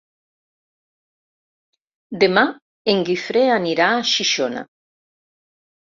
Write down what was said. Demà en Guifré anirà a Xixona.